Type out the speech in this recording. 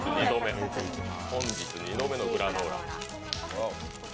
本日２度目のグラノーラ。